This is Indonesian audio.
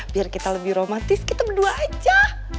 biar kita lebih romantis kita berdua aja